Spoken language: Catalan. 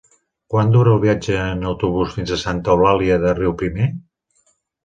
Quant dura el viatge en autobús fins a Santa Eulàlia de Riuprimer?